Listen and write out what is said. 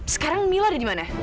sekarang mila ada di mana